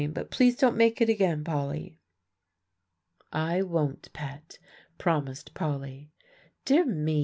But please don't make it again, Polly." "I won't, Pet," promised Polly. "Dear me!